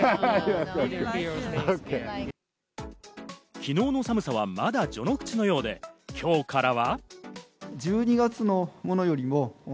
昨日の寒さはまだ序の口のようで、今日からは。